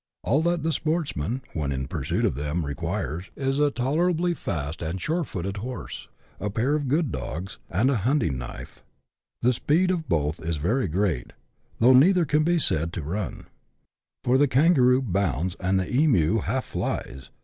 All that the sportsman, when in pursuit of them, requires, is a tolerably fast and sure footed horse, a pair of good dogs, and a hunting knife. The speed of both is very great, though neither can be said to run ; for the kangaroo bounds, the emu half flies.